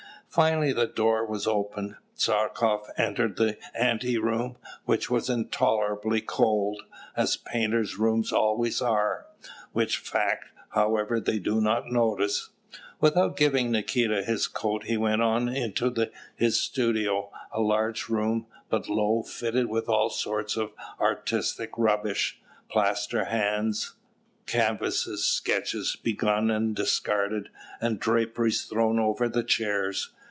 Finally the door was opened. Tchartkoff entered his ante room, which was intolerably cold, as painters' rooms always are, which fact, however, they do not notice. Without giving Nikita his coat, he went on into his studio, a large room, but low, fitted up with all sorts of artistic rubbish plaster hands, canvases, sketches begun and discarded, and draperies thrown over chairs.